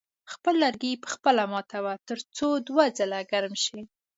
خپل لرګي په خپله ماتوه تر څو دوه ځله ګرم شي.